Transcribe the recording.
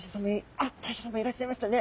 あっ大将さまいらっしゃいましたね。